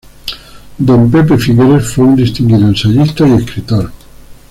Don "Pepe" Figueres fue un distinguido ensayista y escritor.